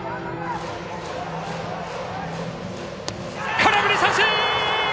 空振り三振！